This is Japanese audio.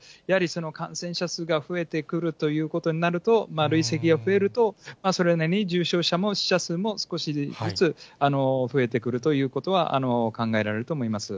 やはり感染者数が増えてくるということになると、累積が増えると、それなりに重症者数も死者数も少しずつ増えてくるということは考